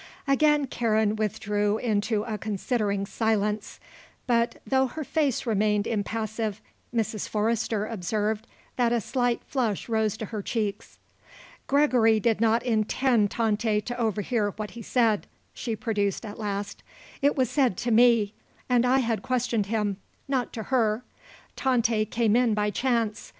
Again Karen withdrew into a considering silence; but, though her face remained impassive, Mrs. Forrester observed that a slight flush rose to her cheeks. "Gregory did not intend Tante to overhear what he said," she produced at last. "It was said to me and I had questioned him not to her. Tante came in by chance.